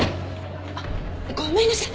あっごめんなさい。